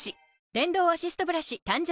電動アシストブラシ誕生